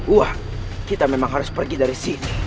wah kita memang harus pergi dari sini